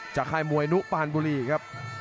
ค่ายมวยนุปานบุรีครับ